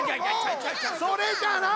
それじゃない！